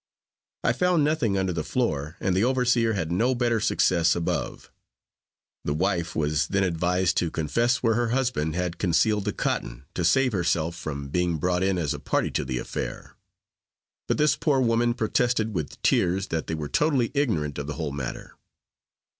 I found nothing under the floor, and the overseer had no better success above. The wife was then advised to confess where her husband had concealed the cotton, to save herself from being brought in as a party to the affair; but this poor woman protested with tears that they were totally ignorant of the whole matter.